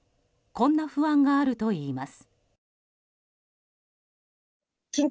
こんな不安があるといいます。